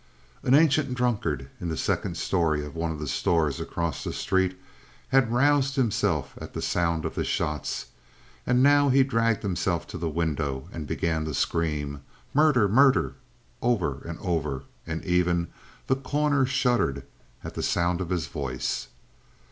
44 An ancient drunkard in the second story of one of the stores across the street had roused himself at the sound of the shots and now he dragged himself to the window and began to scream: "Murder! Murder!" over and over, and even The Corner shuddered at the sound of his voice.